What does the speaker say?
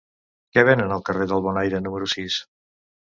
Què venen al carrer del Bonaire número sis?